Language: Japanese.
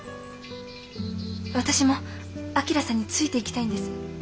私も旭さんについていきたいんです。